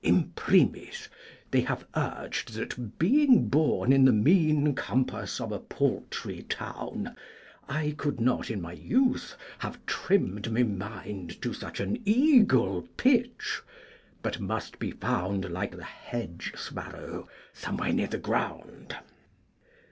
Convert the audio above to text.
Imprimis, they have urged that, being born In the mean compass of a paltry town, I could not in my youth have trimmed my mind To such an eagle pitch, but must be found, Like the hedge sparrow, somewhere near the ground.